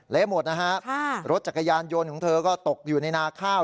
เละหมดนะฮะรถจักรยานยนต์ของเธอก็ตกอยู่ในนาข้าว